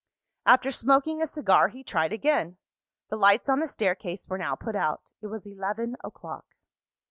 After smoking a cigar, he tried again. The lights on the staircase were now put out: it was eleven o'clock.